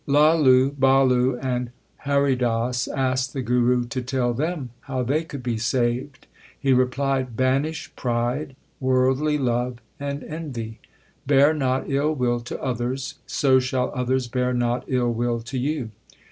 LalUj Balu, and Haridas asked the Guru to tell them how they could be saved. He replied, Banish pride, worldly love, and envy. Bear not ill will to others, so shall others bear not ill will to you.